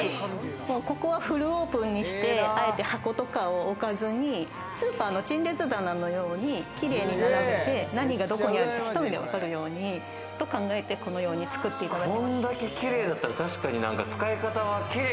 ここはフルオープンにして、あえて箱とかを置かずに、スーパーの陳列棚のように何がどこにあるのか一目でわかるように、このように作っていただきました。